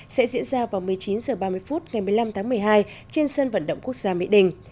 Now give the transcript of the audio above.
sẽ diễn ra vào một mươi chín h ba mươi phút ngày một mươi năm tháng một mươi hai trên sân vận động quốc gia mỹ đình